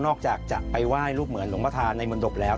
นอกจากจะไปว่ายรูปเหมือนหลวงพ่อธาในบนดบแล้ว